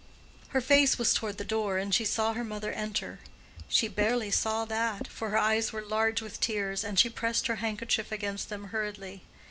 Her face was toward the door, and she saw her mother enter. She barely saw that; for her eyes were large with tears, and she pressed her handkerchief against them hurriedly.